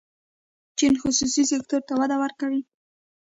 چین خصوصي سکتور ته وده ورکوي.